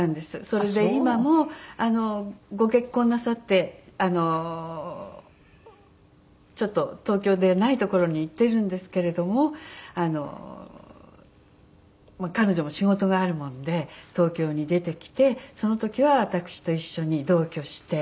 それで今もご結婚なさってちょっと東京でない所に行っているんですけれども彼女も仕事があるもんで東京に出てきてその時は私と一緒に同居して。